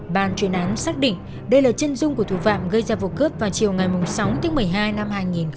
bàn truyền án xác định đây là chân dung của thủ phạm gây ra vụ cướp vào chiều ngày sáu tháng một mươi hai năm hai nghìn một mươi sáu